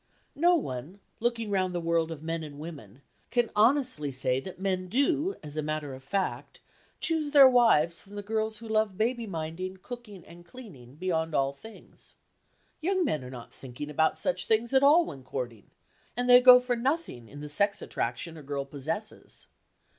No one, looking round the world of men and women, can honestly say that men do as a matter of fact choose their wives from the girls who love baby minding, cooking and cleaning beyond all things. Young men are not thinking about such things at all when courting, and they go for nothing in the sex attraction a girl possesses.